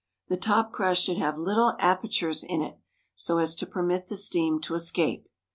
The top crust should have little apertures in it so as to permit the steam to escape.